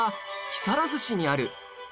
木更津にあるの！？